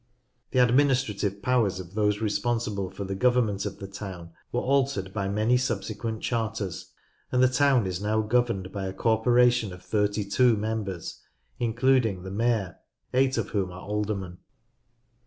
The admini strative powers of those responsible for the government of the town were altered by many subsequent charters, and the town is now governed by a corporation of thirty two members including the Mayor, eight of whom are aldermen.